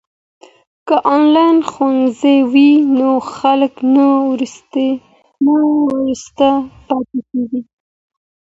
که انلاین ښوونځی وي نو خلګ نه وروسته پاته کیږي.